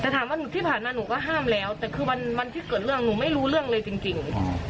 แต่ถามว่าที่ผ่านมาหนูก็ห้ามแล้วแต่คือวันที่เกิดเรื่องหนูไม่รู้เรื่องเลยจริง